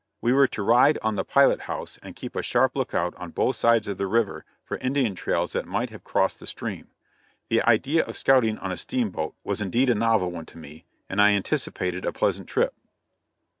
We were to ride on the pilot house and keep a sharp lookout on both sides of the river for Indian trails that might have crossed the stream. The idea of scouting on a steamboat was indeed a novel one to me, and I anticipated a pleasant trip.